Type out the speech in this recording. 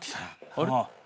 あれ？